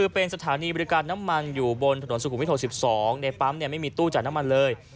เป็นสถานีบริการน้ำมันอยู่บนถนนสุขุมวิทย๑๒ในปั๊มไม่มีตู้จ่ายน้ำมันเลย